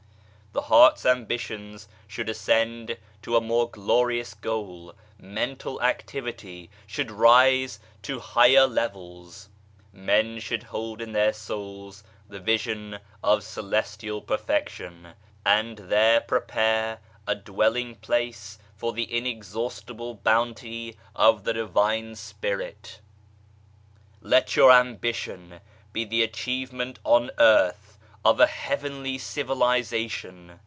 The heart's ambitions should ascend to a more glorious goal, mental activity shotild rise to higher levels ! Men should hold in their souls the vision of celestial perfection, and there prepare a dwelling place for the Inexhaustible Bounty of the Divine Spirit. Let your ambition be the achievement on earth of a Heavenly Civilization